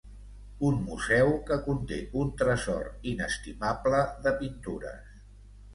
Un museu que conté un tresor inestimable de pintures.